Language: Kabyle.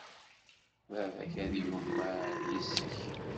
Baba-k ad yumar yes-k.